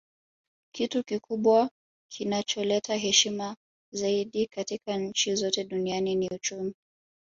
Kitu kikubwa kinacholeta heshima zaidi katika nchi zote duniani ni uchumi